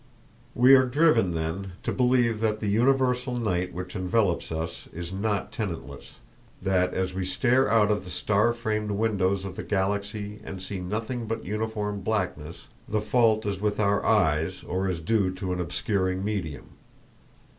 We are driven, then, to believe that the universal night which envelopes us is not tenantless; that as we stare out of the star framed windows of the Galaxy and see nothing but uniform blackness, the fault is with our eyes or is due to an obscuring medium.